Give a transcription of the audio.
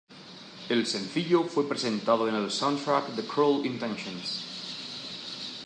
El sencillo fue presentado en el soundtrack de Cruel Intentions.